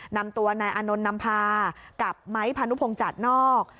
นำตัวนายอานนท์นำพากับไม้พานุพงจัดนอก